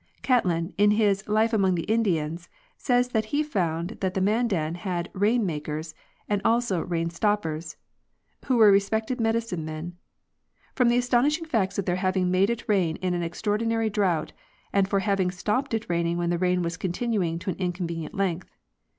"* Catlin, in his " Life among the Indians " (page 78), says that he found that the Mandan had ' rain makers" and also " rain stoppers," who were respected medicine men " From the aston ishing facts of their having made it rain in an extraordinary drought, and for having stopped it raining when the rain was continuing to an inconvenient length."